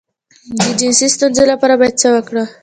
د جنسي ستونزې لپاره باید څه وکړم؟